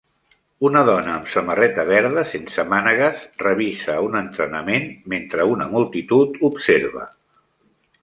Una dona amb samarreta verda sense mànegues revisa un entrenament mentre una multitud observa.